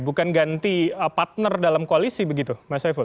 bukan ganti partner dalam koalisi begitu mas saiful